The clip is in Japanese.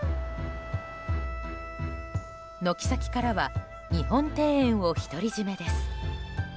軒先からは日本庭園を独り占めです。